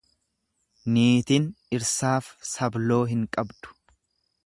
Niitin dhirsaaf sabloo hin qabdu.